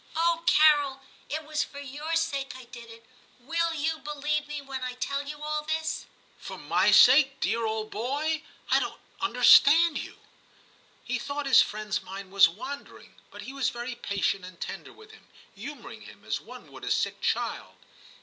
* Oh, Carol ! it was for your sake I did it ; will you believe me when I tell you all this ?'* For my sake, dear qH boy ? I don't understand you.' He thought his friend's mind was wandering, but he was very patient and tender with him, humouring him, as one would a sick child.